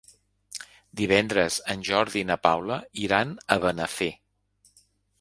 Divendres en Jordi i na Paula iran a Benafer.